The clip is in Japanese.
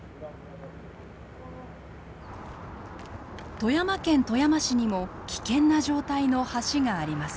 富山県富山市にも危険な状態の橋があります。